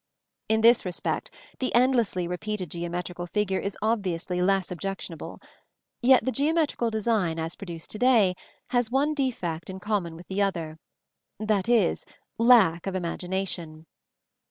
In this respect, the endlessly repeated geometrical figure is obviously less objectionable; yet the geometrical design, as produced to day, has one defect in common with the other that is, lack of imagination.